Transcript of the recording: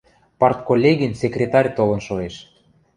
Партколлегин секретарь толын шоэш.